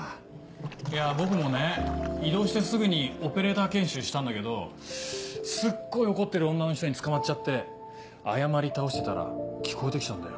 いや僕もね異動してすぐにオペレーター研修したんだけどすっごい怒ってる女の人につかまっちゃって謝り倒してたら聞こえて来たんだよ